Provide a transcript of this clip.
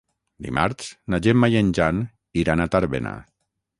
Dimarts na Gemma i en Jan iran a Tàrbena.